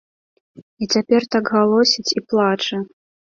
І цяпер так галосіць і плача.